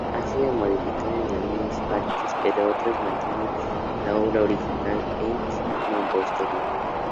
Ha sido modificada en algunas partes pero otras mantienen la obra original, en mampostería.